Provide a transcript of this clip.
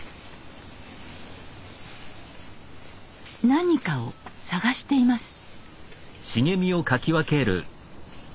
何かを探しています。